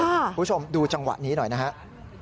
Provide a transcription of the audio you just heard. คุณผู้ชมดูจังหวะนี้หน่อยนะครับ